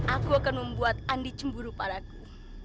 aku akan membuat andi cemburu padaku